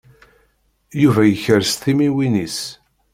Yuba yekres timiwin-is.